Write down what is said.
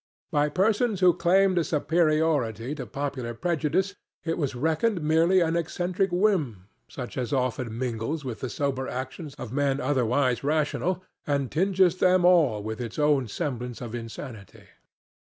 By persons who claimed a superiority to popular prejudice it was reckoned merely an eccentric whim, such as often mingles with the sober actions of men otherwise rational and tinges them all with its own semblance of insanity.